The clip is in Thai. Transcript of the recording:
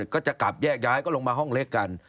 ก็จะกลับแยกย้ายก็ลงมาห้องเล็กกัน